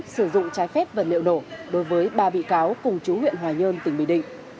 sử dụng trái phép vật liệu nổ đối với ba bị cáo cùng chú huyện hoài nhơn tỉnh bình định